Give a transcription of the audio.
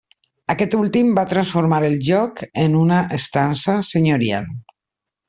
Aquest últim va transformar el lloc en una estança senyorial.